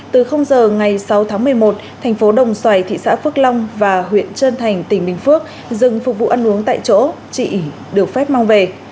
từ h ngày sáu tháng một mươi một thành phố đồng xoài thị xã phước long và huyện trân thành tỉnh bình phước dừng phục vụ ăn uống tại chỗ trị ủy được phép mang về